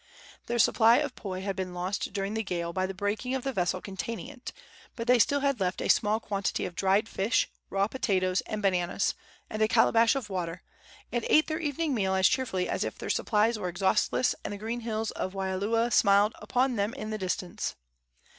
Their supply of poi had been lost during the gale by the breaking of the vessel containing it; but they had still left a small quantity of dried fish, raw potatoes and bananas, and a calabash of water, and ate their evening meal as cheerfully as if their supplies were exhaustless and the green hills of Waialua smiled upon them in the distance.